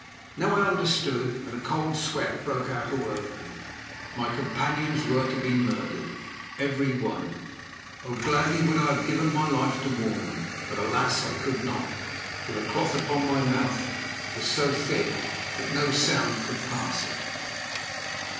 Now I understood, and a cold sweat broke out all over me. My companions were to be murdered, every one! Oh! gladly would I have given my life to warn them. But alas! I could not, for the cloth upon my mouth was so thick that no sound could pass it.